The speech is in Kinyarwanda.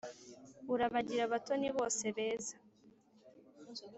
urabagire abatoni bose beza